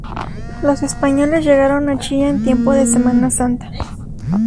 Los españoles llegaron a Chía en tiempo de Semana Santa.